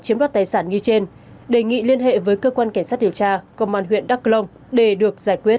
chiếm đoạt tài sản như trên đề nghị liên hệ với cơ quan cảnh sát điều tra công an huyện đắk long để được giải quyết